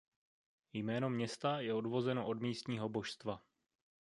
Jméno města je odvozeno od místního božstva.